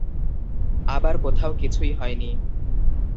আবার কোথাও কিছুই হয়নি।